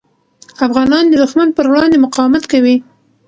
افغانان د دښمن پر وړاندې مقاومت کوي.